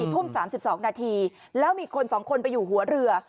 ทุ่ม๓๒นาทีแล้วมีคน๒คนไปอยู่หัวเรือ